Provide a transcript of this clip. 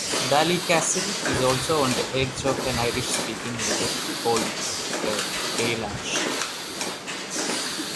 Ballycastle is also on the edge of an Irish-speaking area called a Gaeltacht.